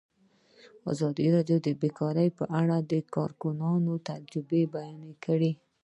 ازادي راډیو د بیکاري په اړه د کارګرانو تجربې بیان کړي.